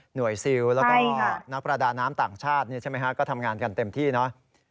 ซิลแล้วก็นักประดาน้ำต่างชาติใช่ไหมฮะก็ทำงานกันเต็มที่เนาะ